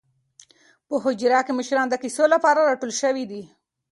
په حجره کې مشران د کیسو لپاره راټول شوي دي.